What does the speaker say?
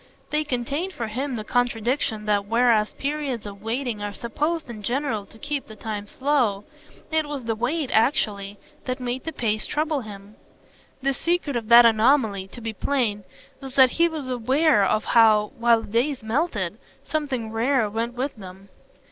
They contained for him the contradiction that, whereas periods of waiting are supposed in general to keep the time slow, it was the wait, actually, that made the pace trouble him. The secret of that anomaly, to be plain, was that he was aware of how, while the days melted, something rare went with them.